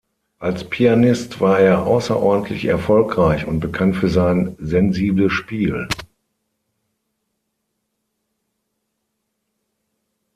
Als Pianist war er außerordentlich erfolgreich und bekannt für sein sensibles Spiel.